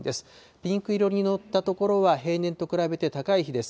ピンク色にのった所は、平年と比べて高い日です。